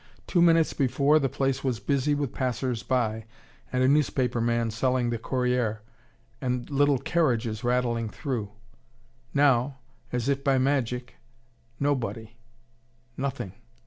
Two minutes before the place was busy with passers by, and a newspaper man selling the Corriere, and little carriages rattling through. Now, as if by magic, nobody, nothing.